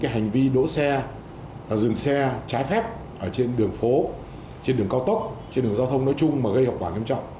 hành vi đỗ xe dừng xe trái phép trên đường phố trên đường cao tốc trên đường giao thông nói chung gây hậu quả nghiêm trọng